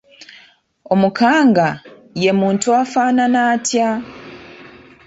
Omukanga ye muntu afaanana atya?